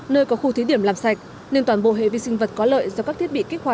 nơi có khu thí điểm làm sạch nên toàn bộ hệ vi sinh vật có lợi do các thiết bị kết quả